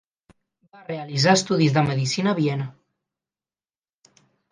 Va realitzar estudis de medicina a Viena.